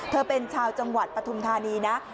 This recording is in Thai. เธอเป็นชาวจังหวัดปฐุมธานีนะ